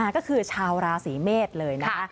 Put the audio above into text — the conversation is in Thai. ก็คือชาวราศีเมษเลยนะคะ